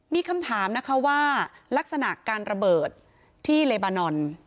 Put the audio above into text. มีคำถามนะคะว่าลักษณะการระเบิดที่เลบานอน